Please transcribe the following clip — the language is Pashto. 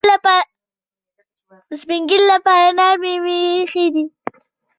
د سپین ږیرو لپاره نرمې میوې ښې دي.